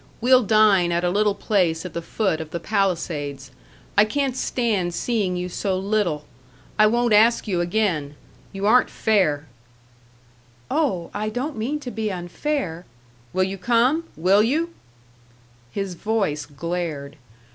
We'll dine at a little place at the foot of the Palisades. I can't stand seeing you so little. I won't ask you again! You aren't fair." "Oh, I don't mean to be unfair " "Will you come? Will you?" His voice glared.